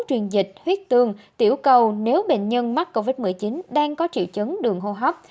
truyền dịch huyết tương tiểu cầu nếu bệnh nhân mắc covid một mươi chín đang có triệu chứng đường hô hấp